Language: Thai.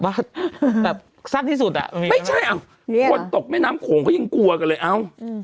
แบบแซ่บที่สุดอ่ะไม่ใช่อ่ะคนตกแม่น้ำโขงเขายังกลัวกันเลยเอ้า